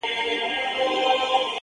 گــــوره زمــا د زړه ســـكــــونـــــه؛